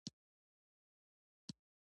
پر دې ټکي باندې تاءکید وکړو.